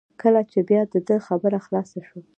کله چې بیا د ده خبره خلاصه شول.